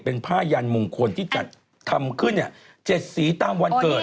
เป็นผ้ายันมงคลที่จัดทำขึ้น๗สีตามวันเกิด